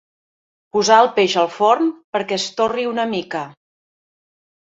Posar el peix al forn perquè es torri una mica.